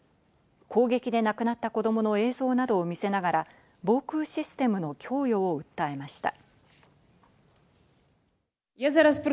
攻撃で亡くなった子供の映像などを見せながら防空システムの供与を訴えました。